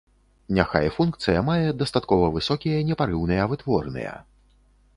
Няхай функцыя мае дастаткова высокія непарыўныя вытворныя.